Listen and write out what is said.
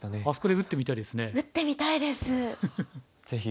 あそこで打ってみたいですね。